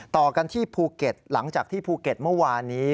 ต่อกันที่ภูเก็ตหลังจากที่ภูเก็ตเมื่อวานนี้